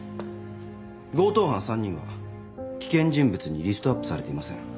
強盗犯３人は危険人物にリストアップされていません。